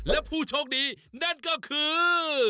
และผู้โชคดีนั่นก็คือ